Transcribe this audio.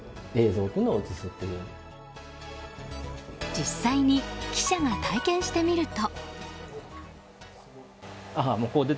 実際に記者が体験してみると。